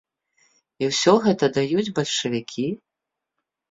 І ўсё гэта даюць бальшавікі?